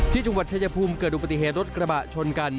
จังหวัดชายภูมิเกิดอุบัติเหตุรถกระบะชนกัน